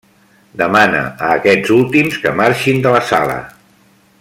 Demana a aquests últims que marxin de la sala.